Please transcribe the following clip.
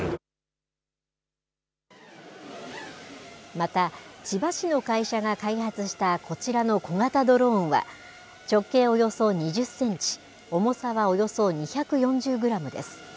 また、千葉市の会社が開発したこちらの小型ドローンは、直径およそ２０センチ、重さがおよそ２４０グラムです。